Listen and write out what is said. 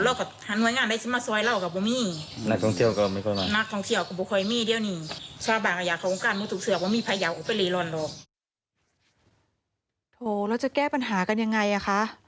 เราจะแก้ปัญหากันยังไง